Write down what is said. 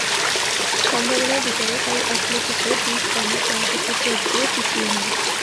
সম্ভাবনার বিচারে তাই অ্যাটলেটিকো দুই স্প্যানিশ পরাশক্তির চেয়ে একটুও পিছিয়ে নয়।